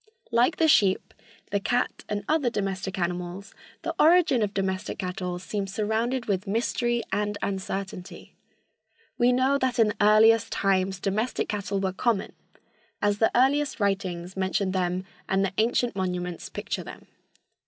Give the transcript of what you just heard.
Like the sheep, the cat and other domestic animals, the origin of domestic cattle seems surrounded with mystery and uncertainty. We know that in earliest times domestic cattle were common, as the earliest writings mention them and the ancient monuments picture them.